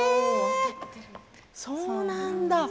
そうなんだ。